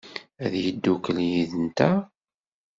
Ad yeddukel yid-nteɣ?